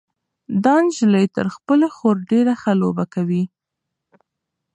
دا نجلۍ تر خپلې خور ډېره ښه لوبه کوي.